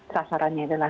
sasaran yang adalah